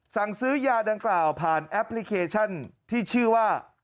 สั่งซื้อยาดังกล่าวผ่านแอปพลิเคชันที่ชื่อว่า